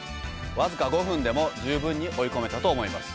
僅か５分でも十分に追い込めたと思います。